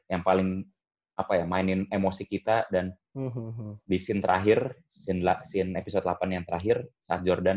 yang paling apa ya mainin emosi kita dan di scene terakhir scene episode delapan yang terakhir saat jordan